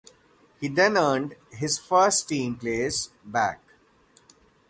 He then earned his first team place back.